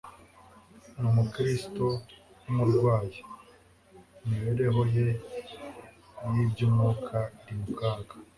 ni umukristo w'umurwayi. imibereho ye y'iby'umwuka iri mu kaga